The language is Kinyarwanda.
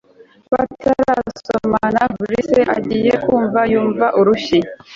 Batarasomana FABRIC agiye kumva yumva urushyi